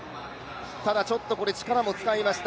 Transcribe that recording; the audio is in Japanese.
ただちょっと力も使いました。